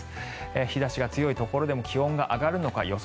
日差しが強いところでも気温が上がるのか予想